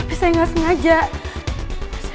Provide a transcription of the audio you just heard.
tapi saya gak sengaja